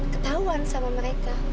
ketahuan sama mereka